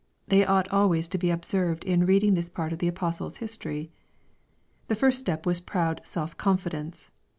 They ought always to he observed in reading this part of the apostle's history. The first step was proud self confidence.